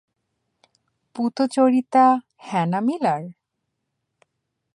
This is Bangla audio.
পূতচরিতা হ্যানা মিলার?